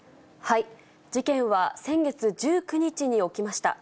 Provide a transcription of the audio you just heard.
事件は先月１９日に起きました。